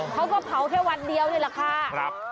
เขาก็เผาแค่วันเดียวนี่แหละค่ะ